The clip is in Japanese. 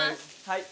はい。